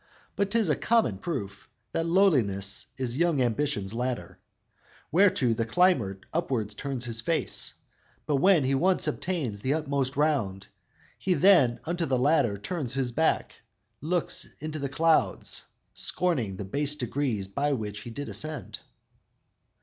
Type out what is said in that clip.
But 'tis a common proof, That lowliness is young ambition's ladder, Whereto the climber upward turns his face; But when he once attains the upmost round, He then unto the ladder turns his back, Looks in the clouds, scorning the base degrees By which he did ascend!"